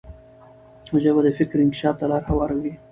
ژبه د فکر انکشاف ته لار هواروي.